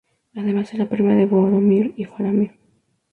Además era prima de Boromir y Faramir.